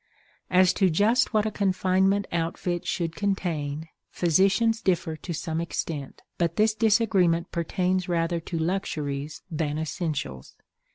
As to just what a confinement outfit should contain physicians differ to some extent; but this disagreement pertains rather to luxuries than essentials.